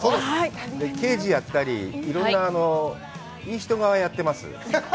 刑事やったり、いろんな、いい人側をやってます。